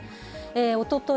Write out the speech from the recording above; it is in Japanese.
おととい